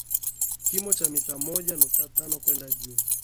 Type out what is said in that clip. kimo cha mita moja nukta tano kwenda juu